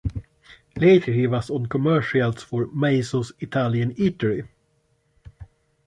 Later he was on commercials for Mazzio's Italian Eatery.